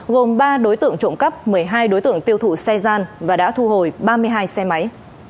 gồm ba đối tượng trộm cắp một mươi hai đối tượng tiêu thụ xe gian và đã thu hồi ba mươi hai xe máy